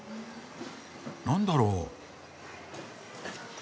何だろう？